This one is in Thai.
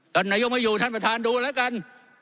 ท่านนายกไม่อยู่ท่านประธานดูแล้วกัน